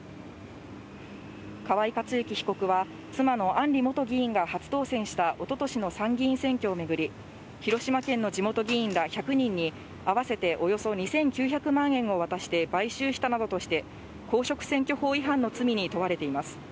河井克行被告は、妻の案里元議員が初当選したおととしの参議院選挙を巡り、広島県の地元議員ら１００人に合わせておよそ２９００万円を渡して買収したなどとして、公職選挙法違反の罪に問われています。